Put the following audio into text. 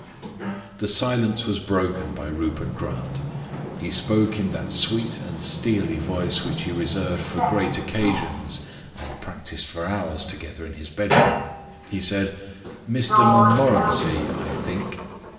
The silence was broken by Rupert Grant. He spoke in that sweet and steely voice which he reserved for great occasions and practised for hours together in his bedroom. He said: "Mr Montmorency, I think?"